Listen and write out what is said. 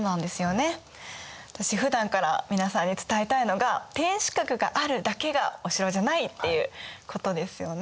私ふだんから皆さんに伝えたいのが天守閣があるだけがお城じゃないっていうことですよね。